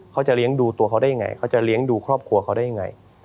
เขาจะเลี้ยงดูตัวเขาได้ยังไงเขาจะเลี้ยงดูครอบครัวเขาได้ยังไง